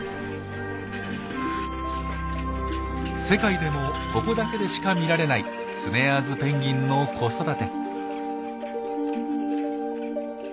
世界でもここだけでしか見られないスネアーズペンギンの子育て。